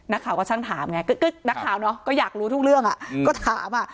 นักข่าวก็ช่างถามไงนักข่าวก็อยากรู้ทุกเรื่องก็ถาม